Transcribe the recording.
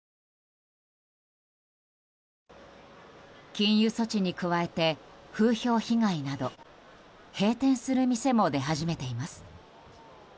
禁輸措置に加えて風評被害など閉店する店も出始めています。